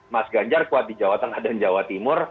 mas ganjar kuat di jawa tengah dan jawa timur